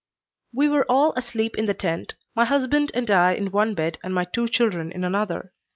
"We were all asleep in the tent, my husband and I in one bed and my two children in another.